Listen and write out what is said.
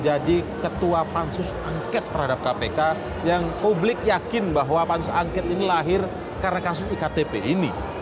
jadi ketua pansus angket terhadap kpk yang publik yakin bahwa pansus angket ini lahir karena kasus iktp ini